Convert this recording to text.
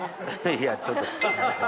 いやちょっと。